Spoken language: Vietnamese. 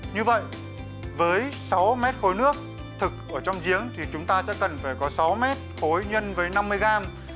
như vậy với sáu mét khối nước thực ở trong giếng thì chúng ta sẽ cần phải có sáu mét khối nhân với năm mươi gram